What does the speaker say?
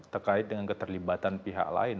terkait dengan keterlibatan pihak lain